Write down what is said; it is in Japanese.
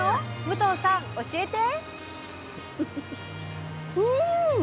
武藤さん教えて！